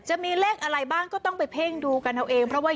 จะมีเลขอะไรบ้างก็ต้องไปเพ่งดูกันเอาเองเพราะว่า